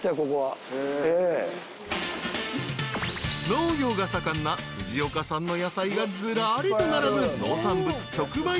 ［農業が盛んな藤岡産の野菜がずらりと並ぶ］